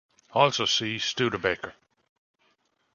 Also see Studebaker.